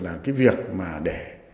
cái việc mà để